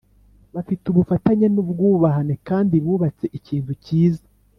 Bafite ubufatanye n’ubwubahane kandi bubatse ikintu kiza